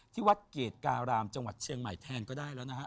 ที่วัดเกรดการามจังหวัดเชียงใหม่แทนก็ได้แล้วนะฮะ